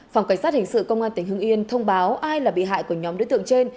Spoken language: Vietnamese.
phòng cảnh sát hình sự công an tỉnh hưng yên thông báo ai là bị hại của nhóm đối tượng trên